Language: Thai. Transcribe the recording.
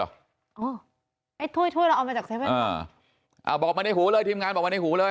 ไอ้ถ้วยถ้วยเราเอามาจากเซเว่นอ่าอ่าบอกมาในหูเลยทีมงานบอกมาในหูเลย